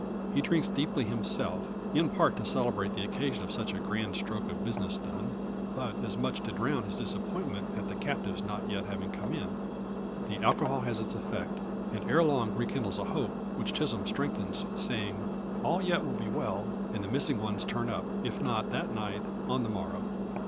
He drinks deeply himself; in part to celebrate the occasion of such a grand stroke of business done, but as much to drown his disappointment at the captives not yet having come in. The alcohol has its effect; and ere long rekindles a hope, which Chisholm strengthens, saying, all will yet be well, and the missing ones turn up, if not that night, on the morrow.